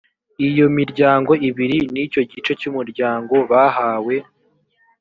iyo miryango ibiri n’icyo gice cy’umuryango bahawe